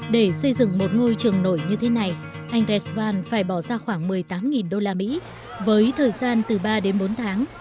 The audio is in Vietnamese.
để xây dựng một ngôi trường nổi như thế này anh resvan phải bỏ ra khoảng một mươi tám usd với thời gian từ ba đến bốn tháng